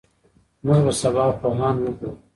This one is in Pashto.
موږ به سبا پوهان وګورو.